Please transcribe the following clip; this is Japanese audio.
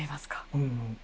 うん。